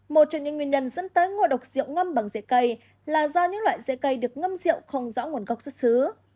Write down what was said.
một trong những nguyên nhân dẫn tới ngộ độc rượu ngâm bằng dệ cây là do những loại dễ cây được ngâm rượu không rõ nguồn gốc xuất xứ